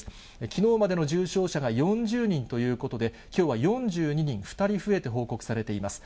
きのうまでの重症者が４０人ということで、きょうは４２人、２人増えて報告されています。